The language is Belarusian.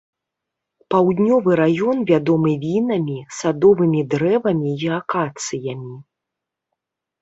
Паўднёвы раён вядомы вінамі, садовымі дрэвамі і акацыямі.